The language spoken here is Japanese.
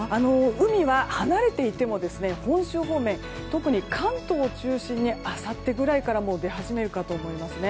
海は、離れていても本州方面、関東を中心にあさってくらいから出始めるかと思います。